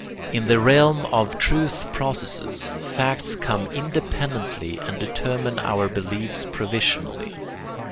In the realm of truth processes facts come independently and determine our beliefs provisionally.